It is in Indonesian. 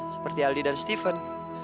seperti aldi dan steven